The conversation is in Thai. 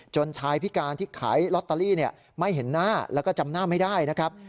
ชายพิการที่ขายลอตเตอรี่ไม่เห็นหน้าแล้วก็จำหน้าไม่ได้นะครับ